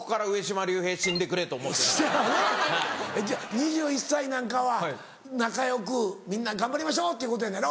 ２１歳なんかは仲よくみんな頑張りましょうっていうことやのやろ？